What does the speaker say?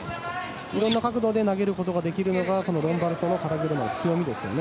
色んな角度で投げることができるのがこのロンバルドの肩車の強みですよね。